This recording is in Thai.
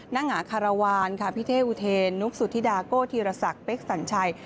นางงาคารวาลค่ะพี่เท่อุเทนนุกสุธิดาโก้ธีรศักดิ์เป๊กสัญชัย